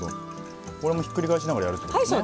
これもひっくり返しながらやるってことですね。